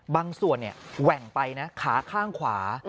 บางส่วนแหว่งไปนะขาข้างขวา